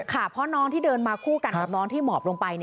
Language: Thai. เพราะน้องที่เดินมาคู่กันกับน้องที่หมอบลงไป